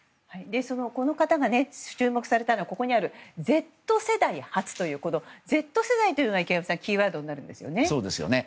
この方が、注目されたのはＺ世代初というＺ世代というのが池上さんキーワードになるんですよね。